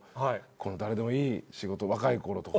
誰でもいい仕事若い頃とか。